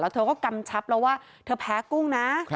แล้วเธอก็กำชับเราว่าเธอแพ้กุ้งนะ